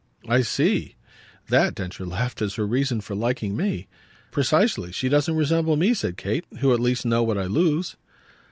"I see. That," Densher laughed, "is her reason for liking ME." "Precisely. She doesn't resemble me," said Kate, "who at least know what I lose."